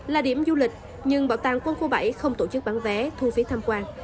là điểm du lịch nhưng bảo tàng quân khu bảy không tổ chức bán vé thu phí tham quan